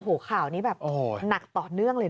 โอ้โหข่าวนี้แบบหนักต่อเนื่องเลยนะ